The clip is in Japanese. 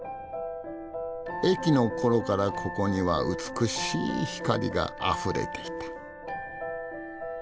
駅の頃からここには美しい光があふれていた。